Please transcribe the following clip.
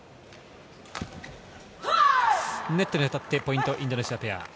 ネットに当たってポイントはインドネシアペア。